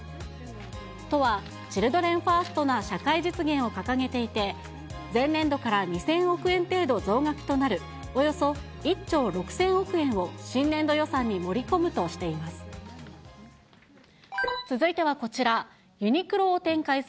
都は、チルドレンファーストな社会実現を掲げていて、前年度から２０００億円程度増額となる、およそ１兆６０００億円を新年度予算に盛り込むとしています。